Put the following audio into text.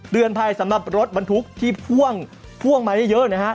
เตือนไพรสำหรับรถบันทุกข์ที่พ่วงมาเยอะนะคะ